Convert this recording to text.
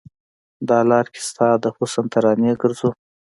د لار کې ستا د حسن ترانې ګرځو